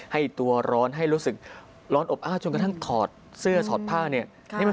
ให้ตัวร้อนให้รู้สึกร้อนอบอ้าวจนกระทั่งถอดเสื้อถอดผ้าเนี่ย